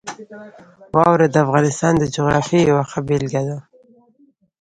واوره د افغانستان د جغرافیې یوه ښه بېلګه ده.